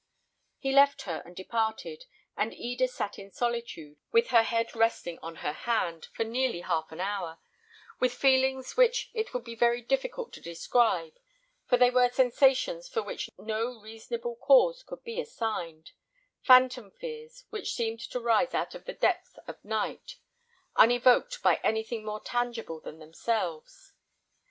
He left her and departed; and Eda sat in solitude, with her head resting on her hand, for nearly half an hour, with feelings which it would be very difficult to describe, for they were sensations for which no reasonable cause could be assigned; phantom fears, which seemed to rise out of the depth of night, unevoked by anything more tangible than themselves.